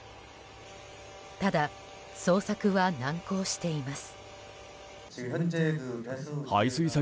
ただ、捜索は難航しています。